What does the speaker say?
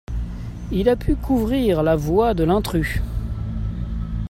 Il a pu couvrir la voix de l'intrus.